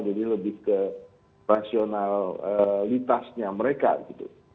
jadi lebih ke rasionalitasnya mereka gitu